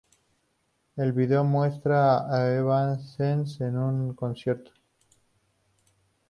El video muestra a Evanescence en un concierto.